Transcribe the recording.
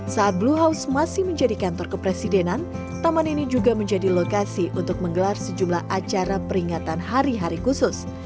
saat blue house masih menjadi kantor kepresidenan taman ini juga menjadi lokasi untuk menggelar sejumlah acara peringatan hari hari khusus